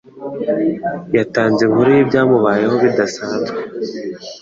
Yatanze inkuru yibyamubayeho bidasanzwe.